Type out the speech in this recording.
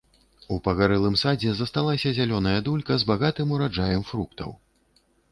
У пагарэлым садзе засталася зялёная дулька з багатым ураджаем фруктаў.